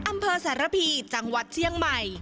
อำเภอสารพีจังหวัดเชียงใหม่